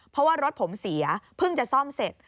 เพราะว่ารถผมเสียเพิ่งจะซ่อมเสร็จ